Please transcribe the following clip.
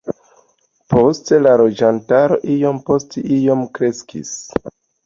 Poste la loĝantaro iom post iom kreskis.